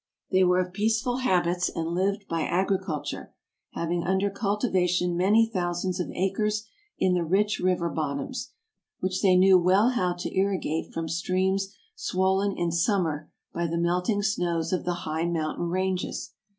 They were of peaceful habits and lived by agriculture, having under cultivation many thousands of acres in the rich river bottoms, which they knew well how to irrigate from streams swollen in summer by the melting snows of the high mountain ranges.